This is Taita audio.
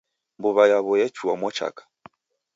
Mbuw'a yaw'o yechua mwachaka.